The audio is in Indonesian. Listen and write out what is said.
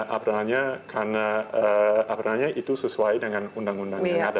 apalagi karena itu sesuai dengan undang undang yang ada